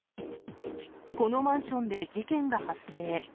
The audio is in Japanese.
このマンションで事件が発生。